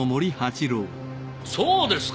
そうですか！